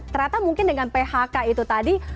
ternyata mungkin dengan phk itu tadi